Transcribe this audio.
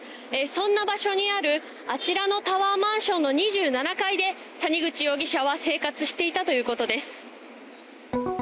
そんな場所にあるあちらのタワーマンションの２７階で谷口容疑者は生活していたということです。